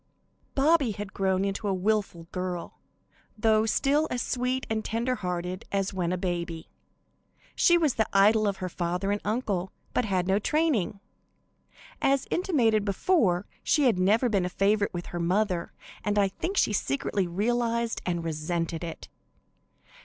Bobby had grown a willful girl, though still as sweet and tender hearted as when a baby. She was the idol of her father and uncle, but had no training. As intimated before, she had never been a favorite with her mother, and I think she secretly realized and resented it.